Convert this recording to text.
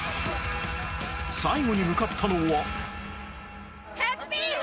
最後に向かったのは